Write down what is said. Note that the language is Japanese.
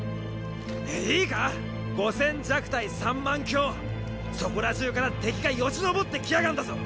いいか五千弱対三万強そこら中から敵がよじ登ってきやがんだぞ！